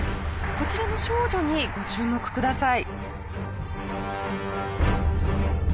こちらの少女にご注目ください。